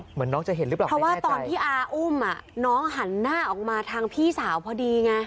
เหมือนน้องจะเห็นหรือเปล่าเพราะว่าตอนที่อาอุ้มน้องหันหน้าออกมาทางพี่สาวพอดีไง